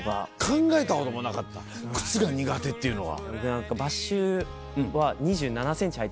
考えたこともなかった靴が苦手っていうのは。